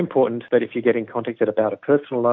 jika anda terhubung dengan penerjemah pribadi